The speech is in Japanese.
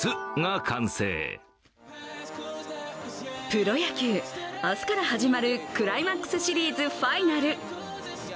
プロ野球、明日から始まるクライマックスシリーズファイナル。